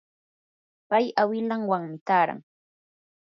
pay awilanwanmi taaran.